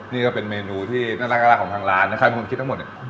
นี่ก็เป็นเมนูที่น่ารักของทางร้านนะครับมีคนคิดทั้งหมดเนี่ย